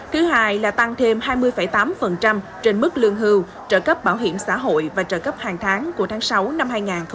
thứ hai là tăng thêm hai mươi tám trên mức lương hưu trợ cấp bảo hiểm xã hội và trợ cấp hàng tháng của tháng sáu năm hai nghìn hai mươi